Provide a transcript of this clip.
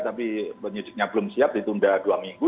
tapi penyidiknya belum siap ditunda dua minggu